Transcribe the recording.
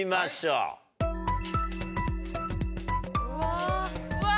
うわ。